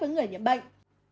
với người nhiễm bệnh